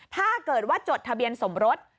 ถ้าเกิดว่าจดทะเบียนสมรส